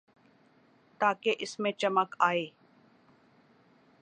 تاکہ اس میں چمک آئے۔